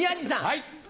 はい。